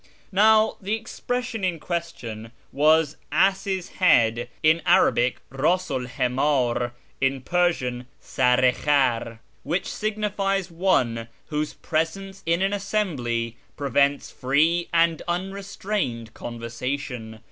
Xow the expression in question was " ass's head " (in Arabic, rdsvJl himdr ; in Persian, sar i khar), which signifies one whose presence in an assembly prevents free and unrestrained conversation.